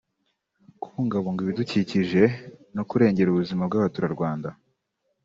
kubungabunga ibidukikije no kurengera ubuzima bw’Abaturarwanda